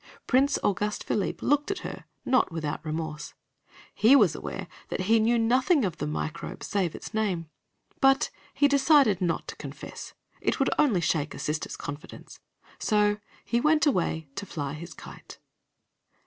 Prince Auguste Philippe looked at her, not without remorse. He was aware that he knew nothing of the Microbe save its name, but he decided not to confess it would only shake a sister's confidence, so he went away to fly his kite.